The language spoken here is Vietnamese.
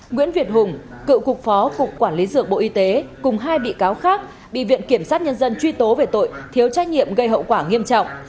nguyễn việt hùng cựu cục phó cục quản lý dược bộ y tế cùng hai bị cáo khác bị viện kiểm sát nhân dân truy tố về tội thiếu trách nhiệm gây hậu quả nghiêm trọng